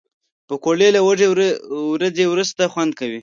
پکورې له وږې ورځې وروسته خوند کوي